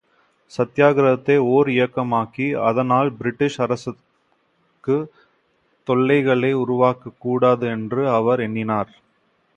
சத்தியாக்கிரகத்தை ஓர் இயக்கமாக்கி அதனால் பிரிட்டிஷ் அரசுக்குத் தொல்லைகளை உருவாக்கக் கூடாது என்று அவர் எண்ணினார்.